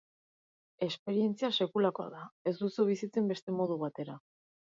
Esperientzia sekulakoa da, ez duzu bizitzen beste modu batera.